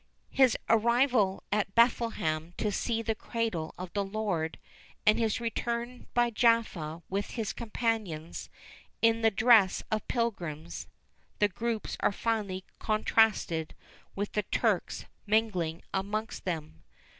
His arrival at Bethlehem, to see the cradle of the Lord and his return by Jaffa with his companions, in the dress of pilgrims; the groups are finely contrasted with the Turks mingling amongst them.